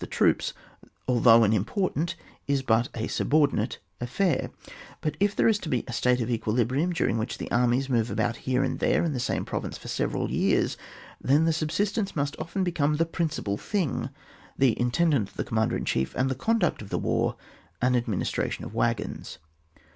53 the troops although an important, is but a subordinate, e^air; but if there is to be a state of equilibrium during which the armies move about here and there in the same province for several years, then the subsistence must often become the principal thing, the intendant the commander in chief, and the conduct of the war an administration of wagons.